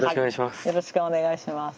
よろしくお願いします。